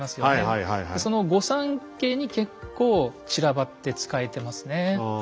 その御三家に結構散らばって仕えてますね。